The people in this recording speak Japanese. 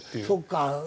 そうか。